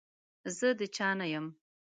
زه د چا نه يم.